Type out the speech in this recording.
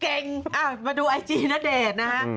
เก่งมาดูไอจีนเจน่าเดชนะฮะ